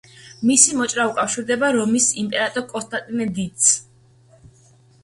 მისი მოჭრა უკავშირდება რომის იმპერატორ კონსტანტინე დიდს.